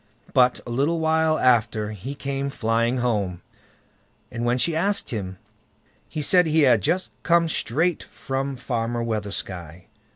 But a little while after he came flying home, and when she asked him, he said he had just come straight from Farmer Weathersky.